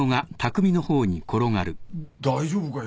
大丈夫か？